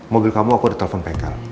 mobil kamu aku udah telepon pekal